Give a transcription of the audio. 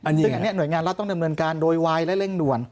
ซึ่งอันนี้หน่วยงานรัฐต้องดำเนินการโดยวายและเร่งด่วน